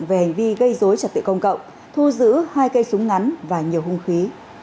về hành vi gây dối trật tự công cộng thu giữ hai cây súng ngắn và nhiều hung khí